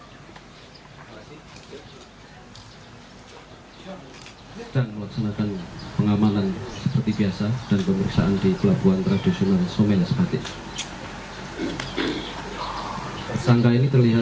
pengagalan dimulai pada saat tim gabungan tni second fleet week response pangkalan tni al lunukan